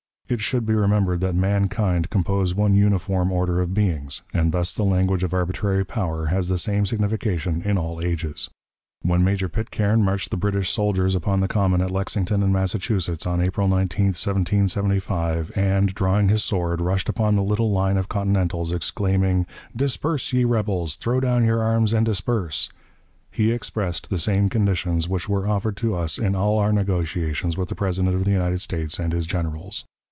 It should be remembered that mankind compose one uniform order of beings, and thus the language of arbitrary power has the same signification in all ages. When Major Pitcairn marched the British soldiers upon the common, at Lexington, in Massachusetts, on April 19, 1775, and, drawing his sword, rushed upon the little line of Continentals, exclaiming: "Disperse, ye rebels! throw down your arms and disperse!" he expressed the same conditions which were offered to us in all our negotiations with the President of the United States and his generals.